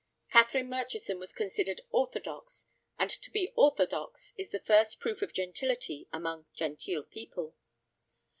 Catherine Murchison was considered orthodox, and to be orthodox is the first proof of gentility among genteel people.